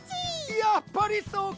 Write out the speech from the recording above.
やっぱりそうか！